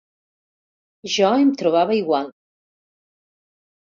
Jo em trobava igual.